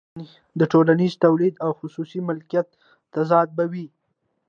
د ټولنیز تولید او خصوصي مالکیت تضاد به وي